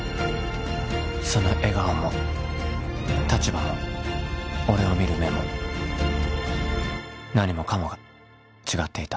その笑顔も立場も俺を見る目も何もかもが違っていた